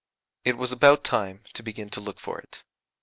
It was about time to begin to look for it.